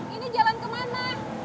ini jalan ke mana